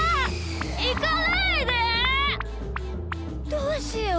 どうしよう。